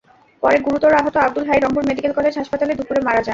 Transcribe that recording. পরে গুরুতর আহত আবদুল হাই রংপুর মেডিকেল কলেজ হাসপাতালে দুপুরে মারা যান।